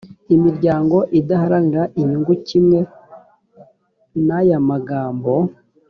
imiryango idaharanira inyungu kimwe n ayamagambo